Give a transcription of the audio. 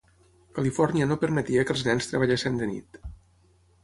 Califòrnia no permetia que els nens treballessin de nit.